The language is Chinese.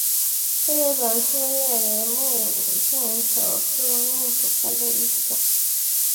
日本粗叶木为茜草科粗叶木属下的一个种。